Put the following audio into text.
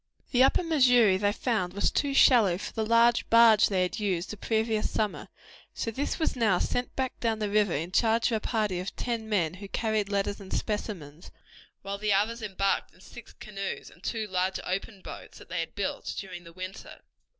The upper Missouri they found was too shallow for the large barge they had used the previous summer, so this was now sent back down the river in charge of a party of ten men who carried letters and specimens, while the others embarked in six canoes and two large open boats that they had built during the winter.